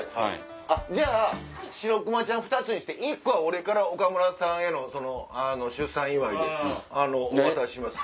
あっじゃあ白くまちゃん２つにして１個は俺から岡村さんへの出産祝いでお渡しします。